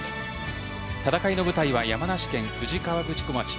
戦いの舞台は山梨県富士河口湖町。